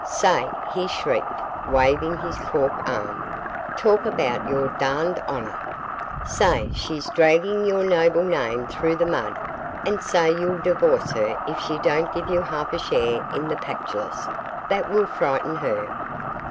'Say!' he shrieked, waving his cork arm, 'talk about your darned honour! Say she's dragging your noble name through the mud, and say you'll divorce her if she don't give you half a share in the Pactolus; that will frighten her.